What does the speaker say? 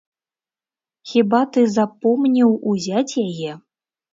Хіба ты запомніў узяць яе?